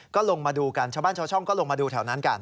ก็ลงมาดูกันชาวบ้านชาวช่องก็ลงมาดูแถวนั้นกัน